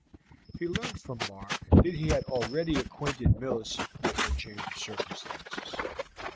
He learned from Mark that he had already acquainted Millicent with her change of circumstances.